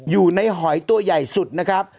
อยู่ในหอยตัวใหญ่สุดนะครับ